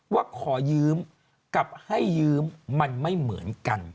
ว่าขอยืมกับให้ยืมมันไม่เหมือนกัน